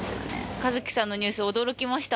一樹さんのニュース驚きました。